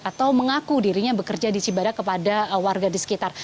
atau mengaku dirinya bekerja di cibadak kepada warga di sekitar